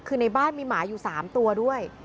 คือในบ้านมีหมาอยู่๓ตัวด้วย